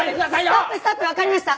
ストップストップ！わかりました！